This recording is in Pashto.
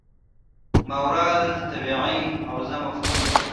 ماورا الطبیعي حوزه مفهوم دی.